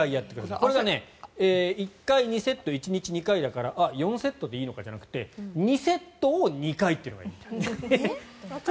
これが１回２セット１日２回だから４セットでいいのかじゃなくて２セットを２回やる。